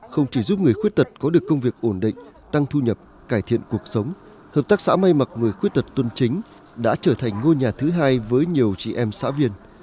không chỉ giúp người khuyết tật có được công việc ổn định tăng thu nhập cải thiện cuộc sống hợp tác xã may mặc người khuyết tật tuân chính đã trở thành ngôi nhà thứ hai với nhiều chị em xã viên